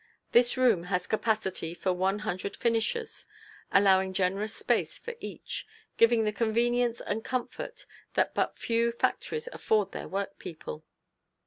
This room has capacity for one hundred finishers, allowing generous space for each, giving the convenience and comfort that but few factories afford their work people.